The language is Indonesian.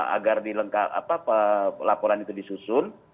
agar dilengkap apa laporan itu disusun